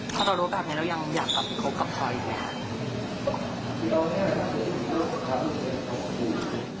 ถ้าเรารู้กับเนี่ยเรายังอยากไปคบกับพลอยเนี่ย